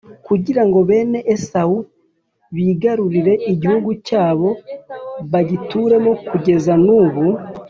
kugira ngo bene esawu bigarurire igihugu cyabo bagituremo kugezan’ubu